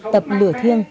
tập lửa thiêng